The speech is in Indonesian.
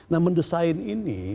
nah mendesain ini